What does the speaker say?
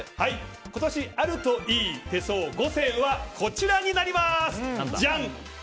今年あるといい手相５選はこちらになります。